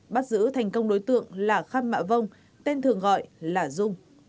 bắt giữ thành công đối tượng là kham mạ vông tên thường gọi là dung